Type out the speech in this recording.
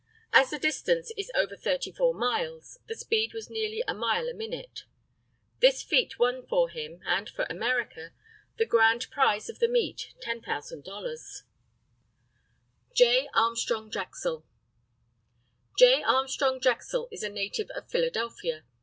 As the distance is over 34 miles, the speed was nearly a mile a minute. This feat won for him, and for America, the grand prize of the meet $10,000. J. ARMSTRONG DREXEL. J. ARMSTRONG DREXEL is a native of Philadelphia.